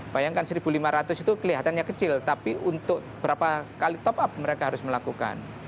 bayangkan satu lima ratus itu kelihatannya kecil tapi untuk berapa kali top up mereka harus melakukan